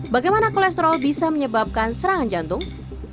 bagaimana kolesterol bisa menyebabkan serangan jantung